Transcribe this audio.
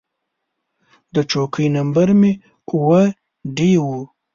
د چوکۍ نمبر مې اووه ډي و.